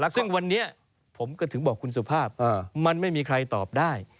ซึ่งวันนี้ผมก็ถึงบอกคุณสุภาพมันไม่มีใครตอบได้